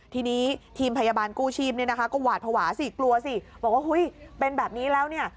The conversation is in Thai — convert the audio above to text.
ทีมพยาบาลกู้ชีพก็หวาดภาวะสิกลัวสิบอกว่าเป็นแบบนี้แล้วเนี่ย